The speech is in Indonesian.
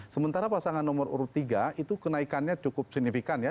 sementara pasangan nomor urut tiga itu kenaikannya cukup signifikan ya